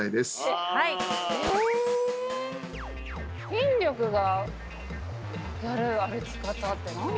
筋力が上がる歩き方って何だ？